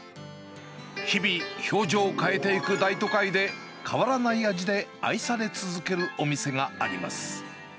日々、表情を変えていく大都会で、変わらない味で愛され続けるお店があります。